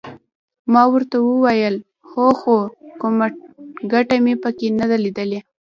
ما ورته وویل هو خو کومه ګټه مې پکې نه ده لیدلې.